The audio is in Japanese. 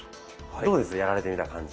どうですやられてみた感じ？